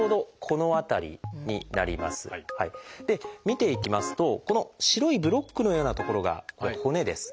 見ていきますとこの白いブロックのようなところが骨です。